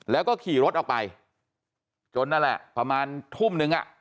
แล้วก็ขี่รถออกไปจนนั่นแหละประมาณทุ่มนึงอ่ะ